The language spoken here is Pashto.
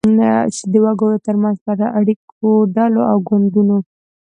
چی د وګړو ترمنځ پر اړیکو، ډلو او ګوندونو